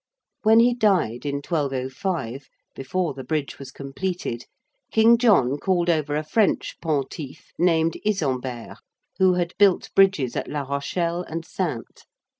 When he died, in 1205, before the Bridge was completed, King John called over a French 'Pontife' named Isembert who had built bridges at La Rochelle and Saintes.